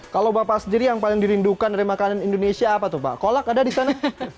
kalau bapak sendiri yang paling dirindukan dari makanan indonesia apa tuh pak kolak ada di sana